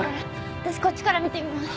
私こっちから見てみます。